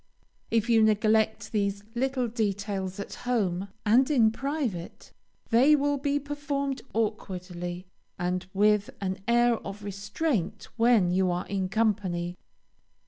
If you neglect these little details at home and in private, they will be performed awkwardly and with an air of restraint when you are in company.